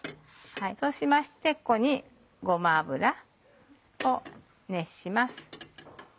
そうしましてここにごま油を熱します。